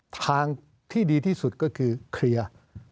ทางที่ดีที่สุดก็คือเคลียร์